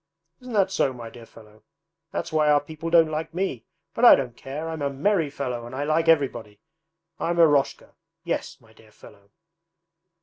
Isn't that so, my dear fellow? That's why our people don't like me; but I don't care! I'm a merry fellow, and I like everybody. I'm Eroshka; yes, my dear fellow.'